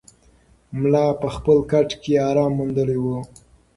ملا په خپل کټ کې ارام موندلی و.